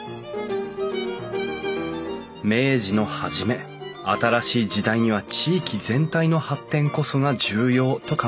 明治の初め新しい時代には地域全体の発展こそが重要と考え